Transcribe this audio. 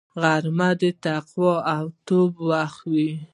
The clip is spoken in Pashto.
غرمه د تقوا او توبې وخت وي